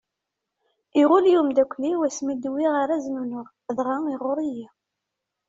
Iɣul-iyi umeddakel-iw asmi d-wwiɣ araz n unuɣ, dɣa iɣuṛṛ-iyi!